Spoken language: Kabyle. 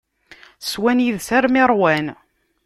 Swan yid-s armi i ṛwan.